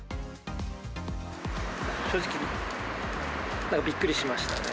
正直、なんかびっくりしましたね。